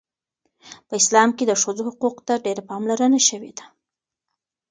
په اسلام کې د ښځو حقوقو ته ډیره پاملرنه شوې ده.